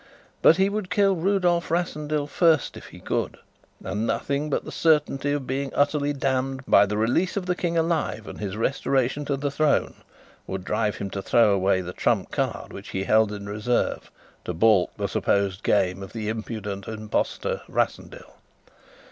But he would kill Rudolf Rassendyll first, if he could; and nothing but the certainty of being utterly damned by the release of the King alive and his restoration to the throne would drive him to throw away the trump card which he held in reserve to baulk the supposed game of the impudent impostor Rassendyll.